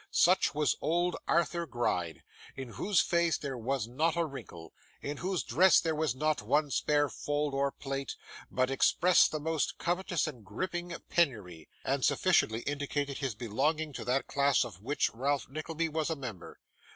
Such was old Arthur Gride, in whose face there was not a wrinkle, in whose dress there was not one spare fold or plait, but expressed the most covetous and griping penury, and sufficiently indicated his belonging to that class of which Ralph Nickleby was a member.